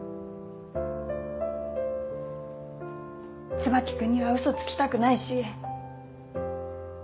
椿君には嘘つきたくないし。